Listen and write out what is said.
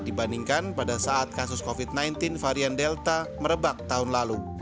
dibandingkan pada saat kasus covid sembilan belas varian delta merebak tahun lalu